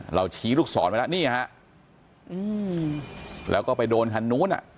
เราชี้ลูกศรไว้แล้วนี่ฮะอืมแล้วก็ไปโดนคันนู้นอ่ะ